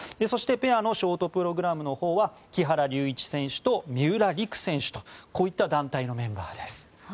そしてペアのショートプログラムは木原龍一選手と三浦璃来選手とこういった団体のメンバーです。